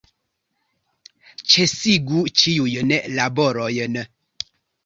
Ĉesigu ĉiujn laborojn!